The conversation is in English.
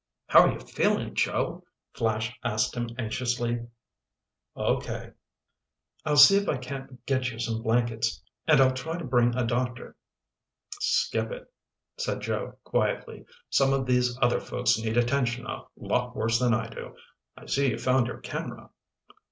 "How are you feeling, Joe?" Flash asked him anxiously. "Okay." "I'll see if I can't get you some blankets. And I'll try to bring a doctor." "Skip it," said Joe quietly. "Some of these other folks need attention a lot worse than I do. I see you found your camera."